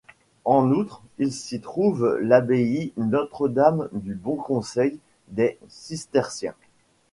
En outre, il s'y trouve l'abbaye Notre-Dame-du-Bon-Conseil des cisterciens.